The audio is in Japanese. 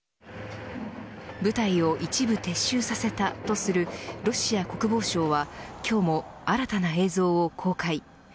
部隊を一部撤収させたとするロシア国防省は今日も新たな映像を公開。